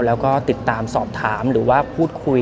แล้วก็ติดตามสอบถามหรือว่าพูดคุย